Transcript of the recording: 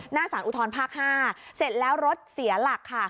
สารอุทธรภาค๕เสร็จแล้วรถเสียหลักค่ะ